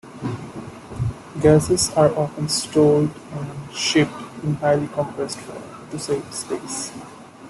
Gases are often stored and shipped in highly compressed form, to save space.